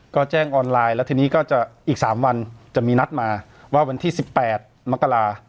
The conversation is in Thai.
ก็แจ้งออนไลน์แล้วทีนี้ก็จะอีก๓วันจะมีนัดมาว่าวันที่๑๘มกรา